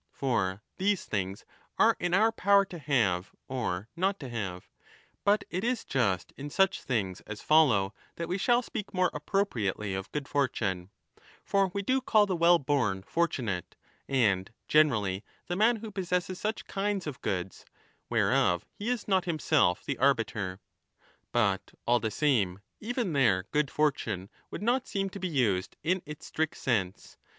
For these things are in our power to have or not to have. But it is just in such things as follow that we shall speak more appropriately of good fortune. For we ' Transferring del (1. 38) to after ij (1. 39) (Susemihl). I207^ MAGNA MORALIA do call the well born fortunate, and generally the man who 25 possesses such kinds of goods, whereof he is not himself the arbiter. But all the same even there good fortune would not seem to be used in its strict sense.